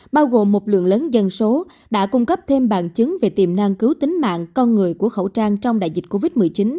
bao gồm một lượng lớn dân số đã cung cấp thêm bằng chứng về tiềm năng cứu tính mạng con người của khẩu trang trong đại dịch covid một mươi chín